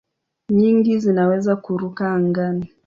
Nyingi zinaweza kuruka angani.